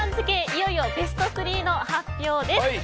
いよいよベスト３の発表です。